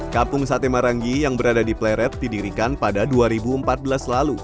kampung sate marangi yang berada di pleret didirikan pada dua ribu empat belas lalu